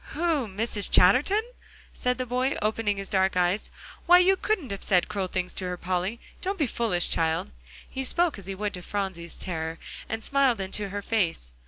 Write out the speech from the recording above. "Who Mrs. Chatterton?" said the boy, opening his dark eyes; "why, you couldn't have said cruel things to her, Polly. Don't be foolish, child." He spoke as he would to Phronsie's terror, and smiled into her face.